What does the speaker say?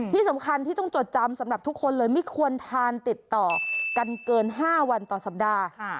ที่สำคัญที่ต้องจดจำสำหรับทุกคนเลยไม่ควรทานติดต่อกันเกิน๕วันต่อสัปดาห์